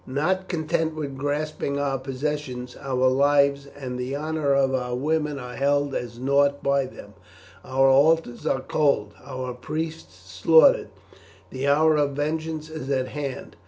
Not content with grasping our possessions, our lives and the honour of our women are held as nought by them, our altars are cold, our priests slaughtered. The hour of vengeance is at hand.